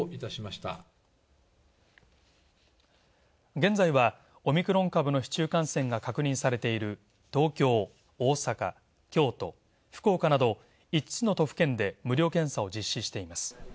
現在は、オミクロン株の市中感染が確認されている東京、大阪、京都、福岡など５つの都府県で無料検査を実施しています。